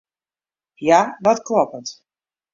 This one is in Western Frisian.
Ja, dat kloppet.